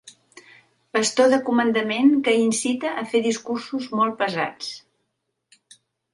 Bastó de comandament que incita a fer discursos molt pesats.